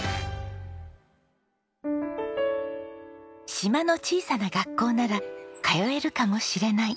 「島の小さな学校なら通えるかもしれない」。